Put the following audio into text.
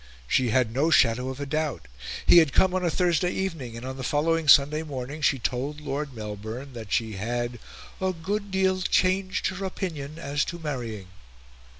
She had no shadow of a doubt. He had come on a Thursday evening, and on the following Sunday morning she told Lord Melbourne that she had "a good deal changed her opinion as to marrying."